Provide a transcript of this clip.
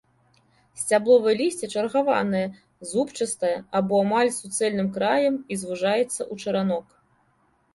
Сцябловае лісце чаргаванае, зубчастае або амаль з суцэльным краем і звужаецца ў чаранок.